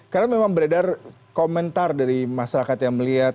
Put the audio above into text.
karena memang beredar komentar dari masyarakat yang melihat